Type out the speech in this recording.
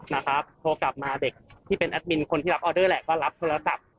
นะครับโทรกลับมาเด็กที่เป็นแอดมินคนที่รับออเดอร์แหละก็รับโทรศัพท์